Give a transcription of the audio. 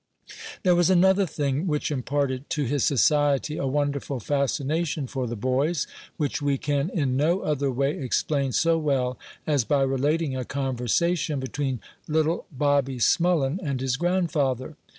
There was another thing which imparted to his society a wonderful fascination for the boys, which we can in no other way explain so well as by relating a conversation between little Bobby Smullen and his grandfather.